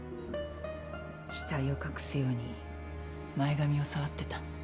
額を隠すように前髪を触ってた。